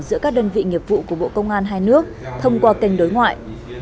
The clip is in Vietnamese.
giữa các đơn vị nghiệp vụ của bộ công an hai nước thông qua kênh đối ngoại